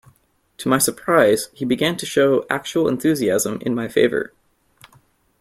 To my surprise he began to show actual enthusiasm in my favor.